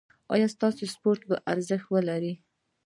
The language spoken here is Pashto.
ایا ستاسو پاسپورت به ارزښت ولري؟